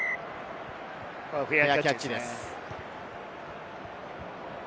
フェアキャッチです。